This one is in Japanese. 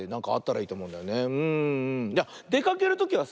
いやでかけるときはさ